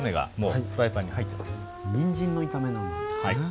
にんじんの炒めなんですね。